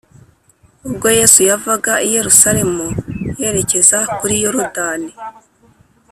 Ubwo Yesu yavaga i Yerusalemu yerekeza kuri Yorodani